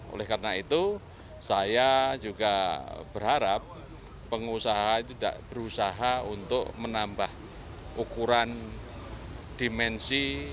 oleh karena itu saya juga berharap pengusaha itu tidak berusaha untuk menambah ukuran dimensi